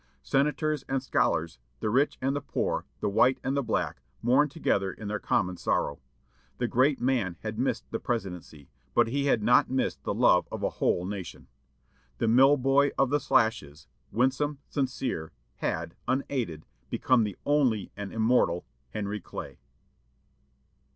Senators and scholars, the rich and the poor, the white and the black, mourned together in their common sorrow. The great man had missed the presidency, but he had not missed the love of a whole nation. The "mill boy of the Slashes," winsome, sincere, had, unaided, become the only and immortal Henry Clay.